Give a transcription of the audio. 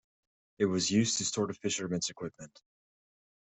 It was used to store the fishermen's equipment.